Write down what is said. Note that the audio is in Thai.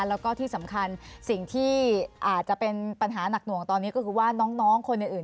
แล้วก็ที่สำคัญสิ่งที่อาจจะเป็นปัญหานักหน่วงตอนนี้ก็คือว่าน้องคนอื่น